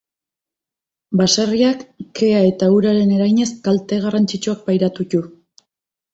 Baserriak, kea eta uraren eraginez, kalte garrantzitsuak pairatu ditu.